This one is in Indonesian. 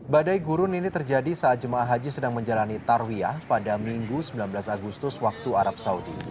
badai gurun ini terjadi saat jemaah haji sedang menjalani tarwiyah pada minggu sembilan belas agustus waktu arab saudi